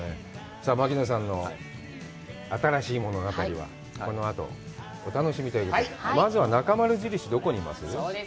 さあ、槙野さんの新しい物語は、このあとお楽しみということで、まずは、なかまる印、どこにいるの？